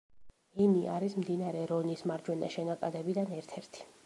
ენი არის მდინარე რონის მარჯვენა შენაკადებიდან ერთ-ერთი.